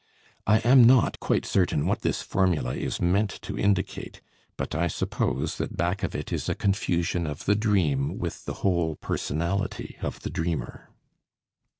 I am not quite certain what this formula is meant to indicate, but I suppose that back of it is a confusion of the dream with the whole personality of the dreamer.